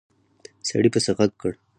سړي پسې غږ کړ!